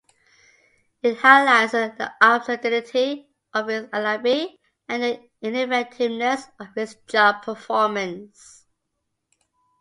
It highlights the absurdity of his alibi and the ineffectiveness of his job performance.